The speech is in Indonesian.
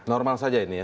normal saja ini ya